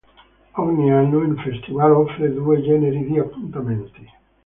Ogni anno il festival offre due generi di appuntamenti.